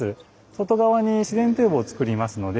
外側に自然堤防をつくりますので。